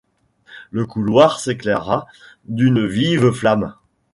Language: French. Le couloir s’éclaira d’une vive flamme.